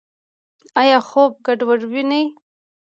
ایا خوب ګډوډ وینئ؟